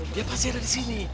dia pasti ada di sini